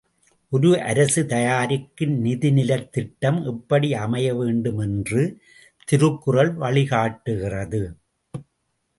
ஒரு அரசு தயாரிக்கும் நிதிநிலைத் திட்டம் எப்படி அமையவேண்டும் என்று திருக்குறள் வழிகாட்டுகிறது?